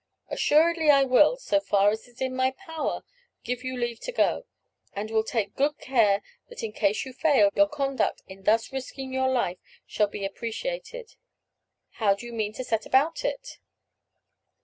"Assuredly I will, so far as is in my power, give you leave to go, and will take good care that in case you fail, your conduct in thus risking your life shall be appreciated. How do you mean to set about it?"